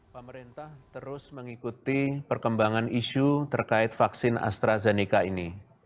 pemerintah terus mengikuti perkembangan isu terkait vaksin astrazeneca ini